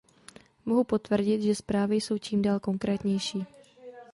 Mohu potvrdit, že zprávy jsou čím dál konkrétnější.